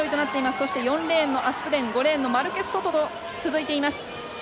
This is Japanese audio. そして、４レーンのアスプデン５レーンのマルケスソトと続いています。